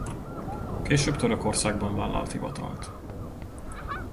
Később Törökországban vállalt hivatalt.